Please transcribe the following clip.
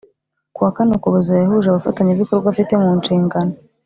kuwa kane Ukuboza yahuje abafatanyabikorwa afite mu nshingano